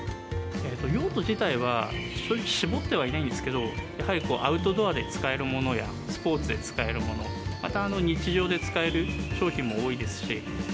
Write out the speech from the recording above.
用途自体は正直、絞ってはいないんですけど、やはりアウトドアで使えるものや、スポーツで使えるもの、また、日常で使える商品も多いですし。